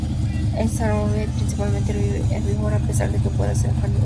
Es arbórea y principalmente herbívora, a pesar de que pueda ser un carnívoro oportunista.